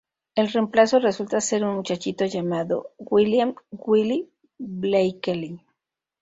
El reemplazo resulta ser un muchacho llamado William "Willy" Blakely.